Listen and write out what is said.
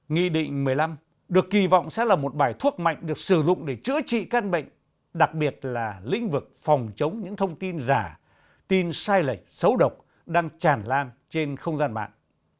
nghị định một mươi năm được kỳ vọng sẽ là một bài thuốc mạnh được sử dụng để chữa trị căn bệnh đặc biệt là lĩnh vực phòng chống những thông tin giả tin sai lệch xấu độc đang tràn lan trên không gian mạng